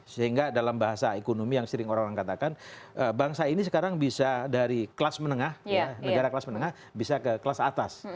sehingga dalam bahasa ekonomi yang sering orang orang katakan bangsa ini sekarang bisa dari kelas menengah negara kelas menengah bisa ke kelas atas